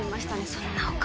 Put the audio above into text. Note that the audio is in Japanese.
そんなお金。